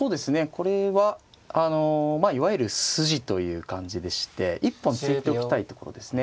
これはまあいわゆる筋という感じでして一本突いておきたいところですね。